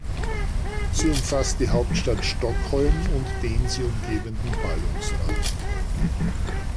Sie umfasst die Hauptstadt Stockholm und den sie umgebenden Ballungsraum.